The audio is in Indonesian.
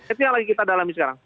itu yang lagi kita dalami sekarang